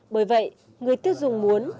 bởi vậy người tiêu dùng muốn